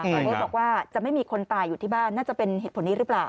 เบิร์ตบอกว่าจะไม่มีคนตายอยู่ที่บ้านน่าจะเป็นเหตุผลนี้หรือเปล่า